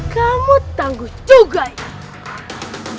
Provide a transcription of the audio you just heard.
kamu tangguh juga ini